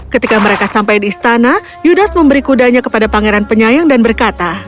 ketika mereka sampai di istana yudas memberi kudanya kepada pangeran penyayang dan berkata